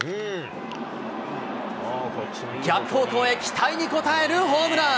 逆方向へ期待に応えるホームラン。